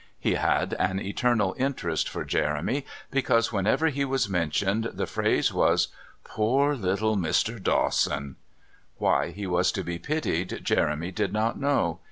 He had an eternal interest for Jeremy because, whenever he was mentioned, the phrase was: "Poor little Mr. Dawson!" Why he was to be pitied Jeremy did not know.